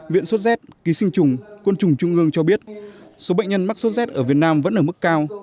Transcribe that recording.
viện sốt z ký sinh trùng quân chủng trung ương cho biết số bệnh nhân mắc sốt z ở việt nam vẫn ở mức cao